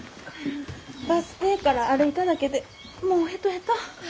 バス停から歩いただけでもうヘトヘト。